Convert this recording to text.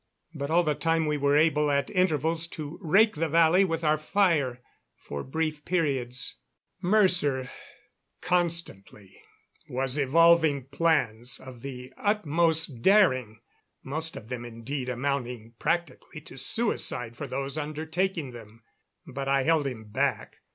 But all the time we were able, at intervals, to rake the valley with our fire for brief periods. Mercer constantly was evolving plans of the utmost daring, most of them indeed amounting practically to suicide for those undertaking them. But I held him back.